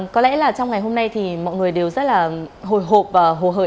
có lẽ là trong ngày hôm nay thì mọi người đều rất là hồi hộp và hồ hời